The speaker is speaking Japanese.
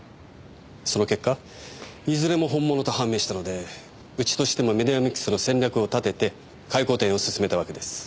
その結果いずれも本物と判明したのでうちとしてもメディアミックスの戦略を立てて回顧展を進めたわけです。